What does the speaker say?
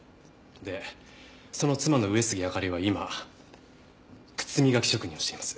でその妻の上杉明里は今靴磨き職人をしています。